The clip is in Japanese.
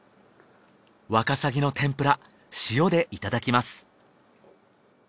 ワカサギの天ぷら塩でいただきます